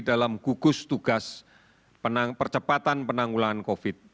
dalam gugus tugas percepatan penanggulangan covid sembilan belas